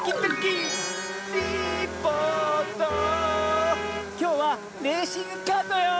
きょうはレーシングカートよ！